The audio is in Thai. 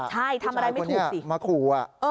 ใช่ทำอะไรไม่ถูกสิผู้ชายคนนี้มาขู